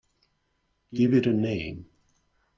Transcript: Give it a name.